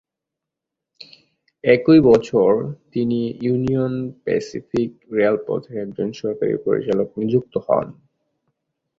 একই বছর তিনি ইউনিয়ন প্যাসিফিক রেলপথের একজন সরকারি পরিচালক নিযুক্ত হন।